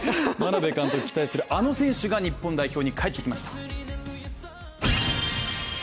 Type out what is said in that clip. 眞鍋監督が期待する、あの選手が日本代表に帰ってきました。